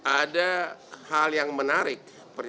ada hal yang menarik